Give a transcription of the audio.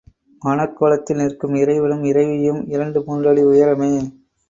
மணக்கோலத்தில் நிற்கும் இறைவனும், இறைவியும் இரண்டு மூன்றடி உயரமே.